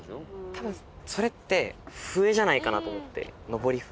たぶんそれって笛じゃないかなと思って。